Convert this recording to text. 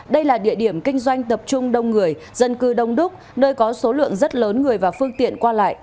đây là địa điểm kinh doanh tập trung đông người dân cư đông đúc nơi có số lượng rất lớn người và phương tiện qua lại